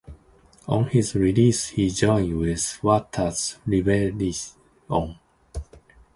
On his release he joined with Wyatt's rebellion.